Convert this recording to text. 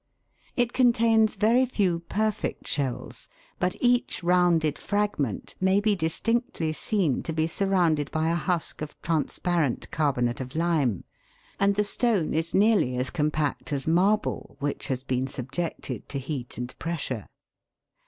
It contains very few perfect shells, but each rounded fragment may be distinctly seen to be surrounded by a husk of transparent carbonate of lime, and the stone is nearly as compact as marble which has been subjected to heat and pressure.